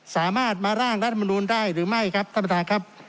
สามารถมาร่างรัฐมนูลได้หรือไม่ครับท่านประธานครับ